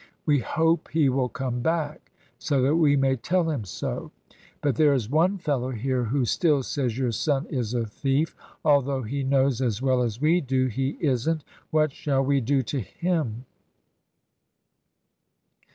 We hope he will come back, so that we may tell him so. But there is one fellow here who still says your son is a thief, although he knows as well as we do he isn't. What shall we do to him?"